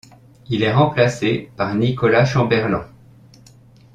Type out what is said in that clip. Il est remplacé par Nicolas Chamberland.